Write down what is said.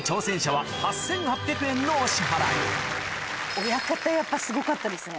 ちなみに親方やっぱすごかったですね。